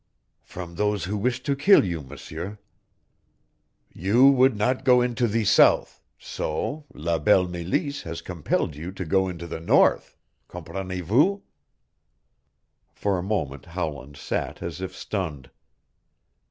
"From those who wish to kill you, M'seur. You would not go into the South, so la belle Meleese has compelled you to go into the North, Comprenez vous?" For a moment Howland sat as if stunned.